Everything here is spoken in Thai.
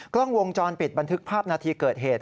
กล้องวงจรปิดบันทึกภาพนาทีเกิดเหตุ